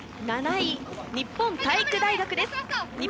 ７位は日本体育大学です。